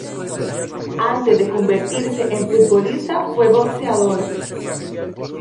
Antes de convertirse en futbolista, fue boxeador.